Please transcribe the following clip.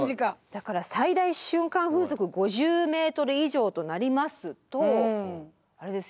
だから最大瞬間風速５０ｍ以上となりますとあれですよね